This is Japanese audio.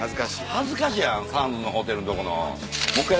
恥ずかしいやんサンズのホテルのとこ。